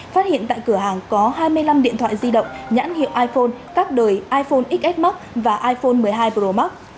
phát hiện tại cửa hàng có hai mươi năm điện thoại di động nhãn hiệu iphone các đời iphone xs max và iphone một mươi hai pro max